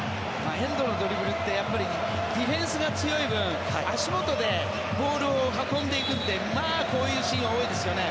遠藤のドリブルってやっぱりディフェンスが強い分足元でボールを運んでいくのでこういうシーンは多いですよね。